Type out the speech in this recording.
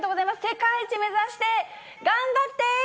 世界一目指して頑張って！